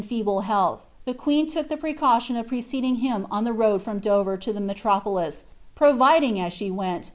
in leeble health, ihe queen look llie precaution of preceding him pn nrait from Dover to ihe oietrapolie, proTicliag, as she went.